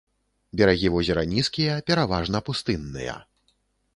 Берагі возера нізкія, пераважна пустынныя.